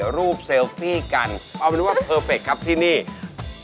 หรือถ้าอยากจะทานข้าว